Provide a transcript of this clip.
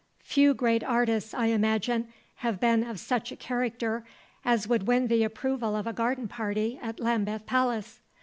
Few great artists, I imagine, have been of such a character as would win the approval of a garden party at Lambeth Palace.